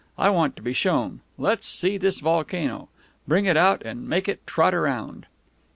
I want to be shown. Let's see this volcano. Bring it out and make it trot around."